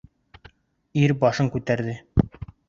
Ир башын күтәрҙе.